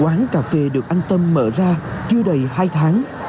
quán cà phê được anh tâm mở ra chưa đầy hai tháng